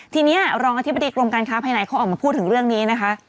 ทีนี้รองอธิบดีกรมการค้าภายในเขาออกมาพูดถึงเรื่องนี้นะคะ